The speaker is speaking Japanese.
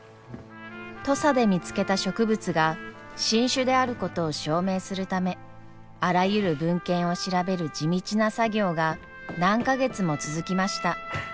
土佐で見つけた植物が新種であることを証明するためあらゆる文献を調べる地道な作業が何か月も続きました。